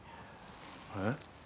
えっ？